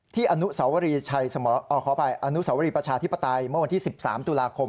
ที่อนุสาวรีประชาธิปไตยเมื่อวันที่๑๓ตุลาคม